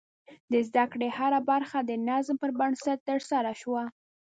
د زده کړې هره برخه د نظم پر بنسټ ترسره شوه.